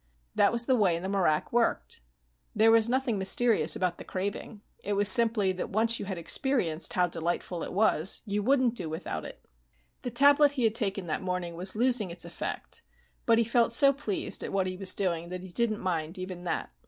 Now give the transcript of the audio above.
That was the way the marak worked. There was nothing mysterious about the craving. It was simply that once you had experienced how delightful it was, you wouldn't do without it. The tablet he had taken that morning was losing its effect, but he felt so pleased at what he was doing that he didn't mind even that.